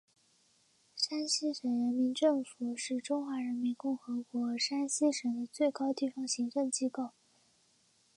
山西省人民政府是中华人民共和国山西省的最高地方行政机构。